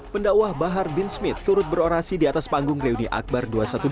pendakwah bahar bin smith turut berorasi di atas panggung reuni akbar dua ratus dua belas